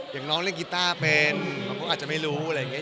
อย่างน้องเล่นกีต้าเป็นเขาก็อาจจะไม่รู้อะไรอย่างนี้